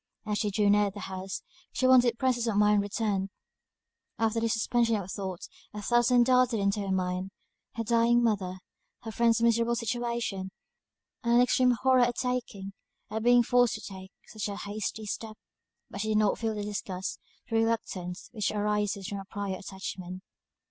As she drew near the house, her wonted presence of mind returned: after this suspension of thought, a thousand darted into her mind, her dying mother, her friend's miserable situation, and an extreme horror at taking at being forced to take, such a hasty step; but she did not feel the disgust, the reluctance, which arises from a prior attachment.